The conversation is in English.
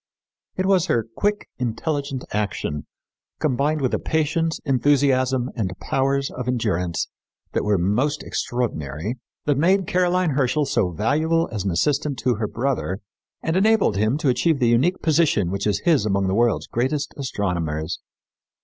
'" It was her quick, intelligent action, combined with a patience, enthusiasm and powers of endurance that were most extraordinary, that made Caroline Herschel so valuable as an assistant to her brother, and enabled him to achieve the unique position which is his among the world's greatest astronomers.